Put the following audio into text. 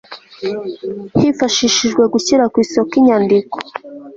hifashishijwe gushyira ku isoko inyandiko